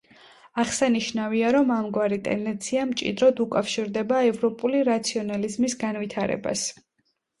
აღსანიშნავია, რომ ამგვარი ტენდენცია მჭიდროდ უკავშირდება ევროპული რაციონალიზმის განვითარებას.